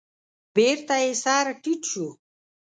بېرته يې سر تيټ شو.